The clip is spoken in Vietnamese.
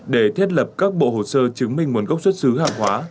để thiết lập các bộ hồ sơ chứng minh nguồn gốc xuất xứ hàng hóa